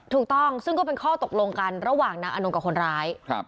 ถูกต้องซึ่งก็เป็นข้อตกลงกันระหว่างนางอนงกับคนร้าย